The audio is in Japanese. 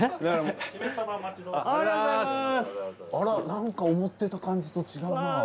あらなんか思ってた感じと違うな。